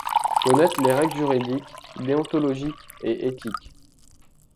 Connaître les règles juridiques, déontologiques et éthiques.